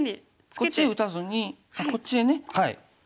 こっちへ打たずにこっちへね。